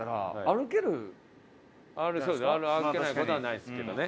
歩けない事はないですけどね。